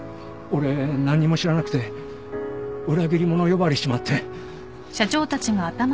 俺何も知らなくて裏切り者呼ばわりしちまって。